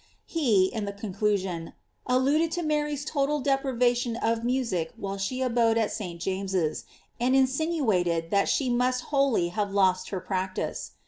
He, in the conclusion, alluded to Mary's total deprivation of music while she abode at St. James's, and insinuated that she most wholly have lost her practice.